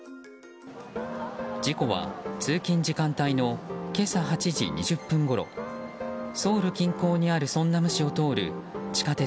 事故は通勤時間帯の今朝８時２０分ごろソウル近郊にあるソンナム市を通る地下鉄